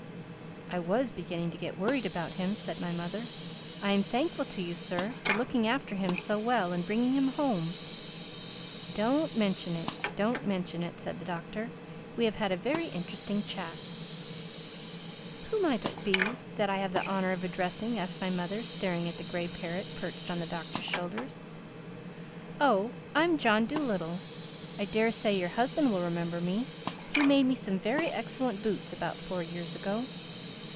"I was beginning to get worried about him," said my mother. "I am thankful to you, Sir, for looking after him so well and bringing him home." "Don't mention it—don't mention it," said the Doctor. "We have had a very interesting chat." "Who might it be that I have the honor of addressing?" asked my mother staring at the gray parrot perched on the Doctor's shoulder. "Oh, I'm John Dolittle. I dare say your husband will remember me. He made me some very excellent boots about four years ago.